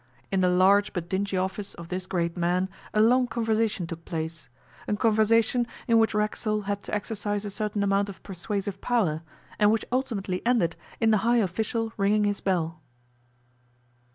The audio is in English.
In the large but dingy office of this great man a long conversation took place a conversation in which Racksole had to exercise a certain amount of persuasive power, and which ultimately ended in the high official ringing his bell.